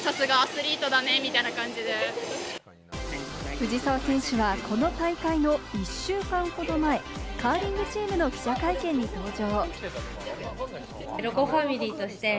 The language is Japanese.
藤澤選手はこの大会の１週間ほど前、カーリングチームの記者会見に登場。